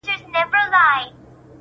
• له ګودر څخه مي رنګ د رنجو واخیست -